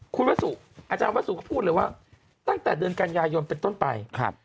คุณวสุอาจารย์วัสสุก็พูดเลยว่าตั้งแต่เดือนกันยายนเป็นต้นไป